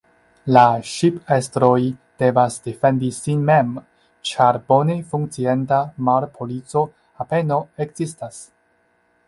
La ŝipestroj devas defendi sin mem, ĉar bone funkcianta marpolico apenaŭ ekzistas.